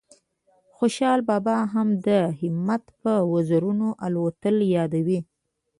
خوشال بابا هم د همت په وزرونو الوتل یادوي